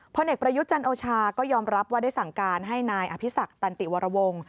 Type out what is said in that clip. เอกประยุทธ์จันโอชาก็ยอมรับว่าได้สั่งการให้นายอภิษักตันติวรวงศ์